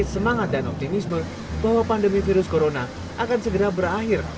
semangat dan optimisme bahwa pandemi virus corona akan segera berakhir